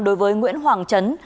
đối với nguyễn hoàng trấn